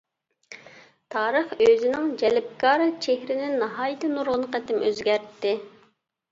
تارىخ ئۆزىنىڭ جەلپكار چېھرىنى ناھايىتى نۇرغۇن قېتىم ئۆزگەرتتى.